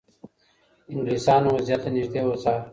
انګلیسانو وضعیت له نږدې وڅار.